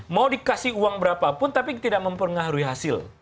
mau dikasih uang berapapun tapi tidak mempengaruhi hasil